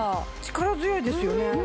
力強いですよね。